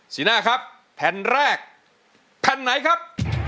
สีหน้าครับแผ่นแรกแผ่นไหนครับ